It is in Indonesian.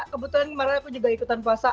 kebetulan kemarin aku juga ikutan puasa